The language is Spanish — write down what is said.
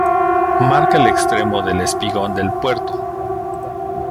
Marca el extremo del espigón del puerto.